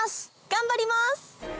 頑張ります！